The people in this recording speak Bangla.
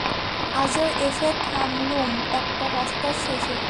আজও এসে থামলুম একটা রাস্তার শেষে।